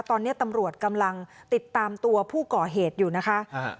ตอนนี้ตำรวจกำลังติดตามตัวผู้ก่อเหตุอยู่นะคะ